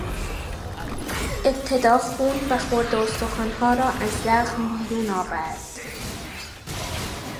ابتدا خون و خرده استخوانها را از زخم بیرون آورد.